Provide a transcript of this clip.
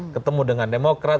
ketemu dengan demokrat